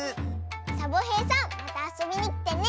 サボへいさんまたあそびにきてね！